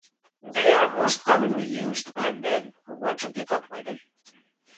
They are most commonly used by men who want to pick up women.